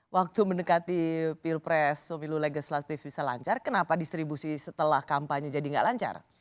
waktu mendekati pilpres pemilu legislatif bisa lancar kenapa distribusi setelah kampanye jadi nggak lancar